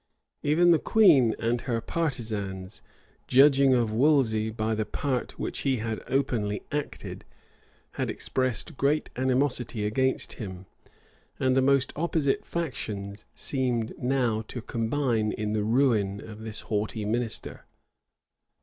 [] Even the queen and her partisans, judging of Wolsey by the part which he had openly acted, had expressed great animosity against him; and the most opposite factions seemed now to combine in the ruin of this haughty minister.